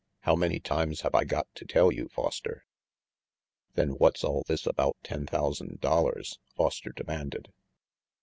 How many times have I got to tell you, Foster?" "Then what's all this about ten thousand dollars?" Foster demanded.